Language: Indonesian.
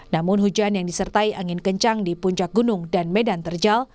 namun hujan yang disertai angin kencang di puncak gunung dan medan terjal